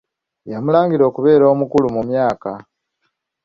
Yamulangira okubeera omukulu mu myaka.